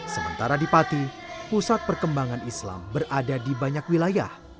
sementara di pati pusat perkembangan islam berada di banyak wilayah